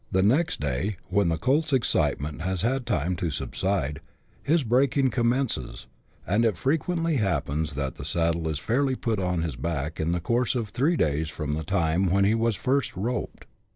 Next day, when the colt's excitement has had time to subside, his breaking commences ; and it frequently happens that the saddle is fairly put on his back in the course of three days from the time when he was first roped.